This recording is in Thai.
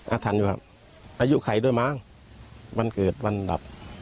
อาธรรพ์อยู่ครับอายุใครด้วยมะวันเกิดวันหลับ